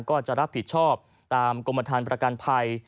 ก็จะรับผิดชอบตามกรมฐานประกันภัย